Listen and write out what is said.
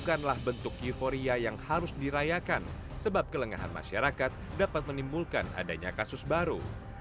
bukanlah bentuk euforia yang harus dirayakan sebab kelengahan masyarakat dapat menimbulkan adanya kasus baru